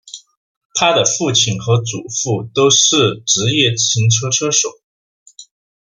他的父亲和祖父都是职业自行车车手。